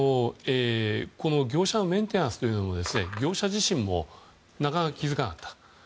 この業者のメンテナンスというのも業者自身もなかなか気づかなかった。